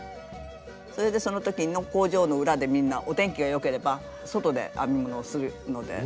それでその時に工場の裏でみんなお天気が良ければ外で編み物をするので。